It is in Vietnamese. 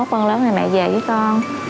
hai mươi một tuần lớn thì mẹ về với con